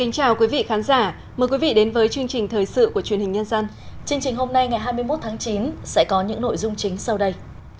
chương trình hôm nay ngày hai mươi một tháng chín sẽ có những nội dung chính sau đây